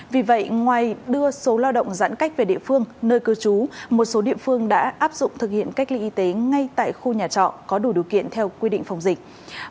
vì vậy ngoài đưa số lao động giãn cách về địa phương nơi cư trú một số địa phương đã áp dụng thực hiện cách ly y tế ngay tại khu nhà trọ có đủ điều kiện theo quy định phòng dịch